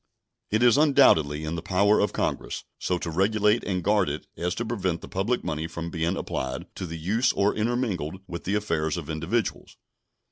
It is undoubtedly in the power of Congress so to regulate and guard it as to prevent the public money from being applied to the use or intermingled with the affairs of individuals.